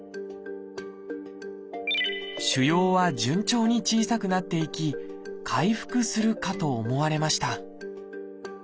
腫瘍は順調に小さくなっていき回復するかと思われました。